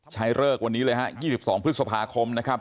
ใช้เลิกวันนี้เลยฮะยี่สิบสองพฤษภาคมนะครับ